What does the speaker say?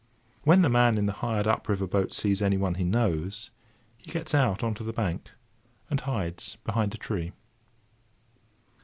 When the man in the hired up river boat sees anyone he knows, he gets out on to the bank, and hides behind a tree.